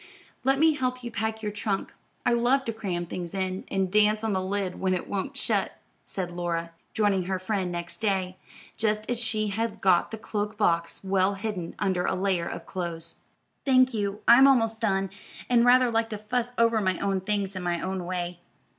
"Let me help you pack your trunk; I love to cram things in, and dance on the lid when it won't shut," said Laura, joining her friend next day, just as she had got the cloak box well hidden under a layer of clothes. "Thank you, I'm almost done, and rather like to fuss over my own things in my own way.